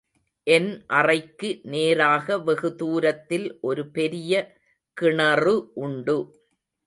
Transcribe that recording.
என் அறைக்கு நேராக வெகுதூரத்தில் ஒரு பெரிய கிணறு உண்டு.